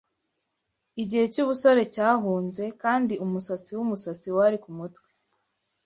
Igihe cy'ubusore cyahunze, Kandi umusatsi wumusatsi wari kumutwe